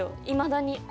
いまだに。